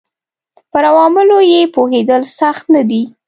پر عواملو یې پوهېدل سخت نه دي